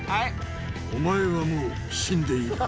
お前はもう死んでいる。